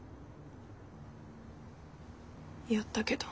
やったけど。